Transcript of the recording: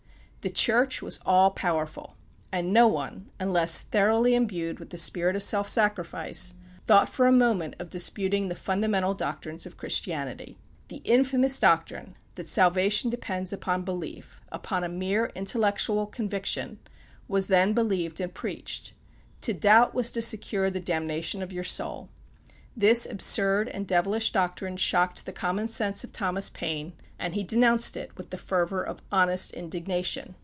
The Church was all powerful; and no one, unless thoroughly imbued with the spirit of self sacrifice, thought for a moment of disputing the fundamental doctrines of Christianity. The infamous doctrine that salvation depends upon belief upon a mere intellectual conviction was then believed and preached. To doubt was to secure the damnation of your soul. This absurd and devilish doctrine shocked the common sense of Thomas Paine, and he denounced it with the fervor of honest indignation.